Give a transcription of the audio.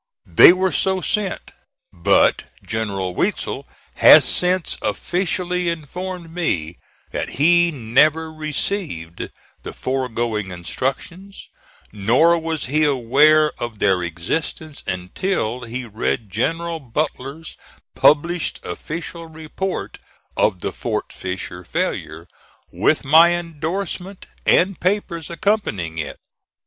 They were so sent, but General Weitzel has since officially informed me that he never received the foregoing instructions, nor was he aware of their existence, until he read General Butler's published official report of the Fort Fisher failure, with my indorsement and papers accompanying it.